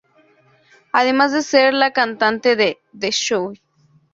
Además de ser la cantante de "The Shoe".